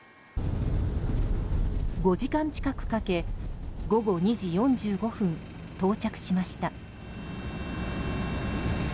５時間近くかけ午後２時４５分、到着しました。